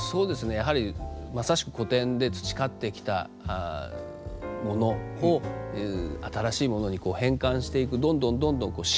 やはりまさしく古典で培ってきたものを新しいものに変換していくどんどんどんどん進化していく。